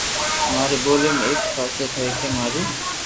ماري ٻولي ۾ ايڪ خاصيت ھي ڪي ماري